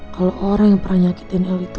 kalo orang yang pernah nyakitin el itu